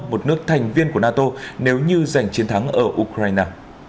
một nước thành viên của nato nếu như giành chiến thắng ở ukraine